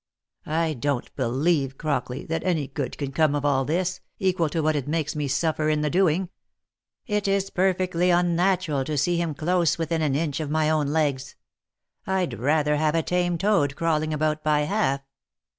I don't believe, Crockley, that any good can come of all this, equal to what it makes me suffer in the doing. It is perfectly unnatural to see him close within an inch of my own legs. I'd rather have a tame toad crawling about by half.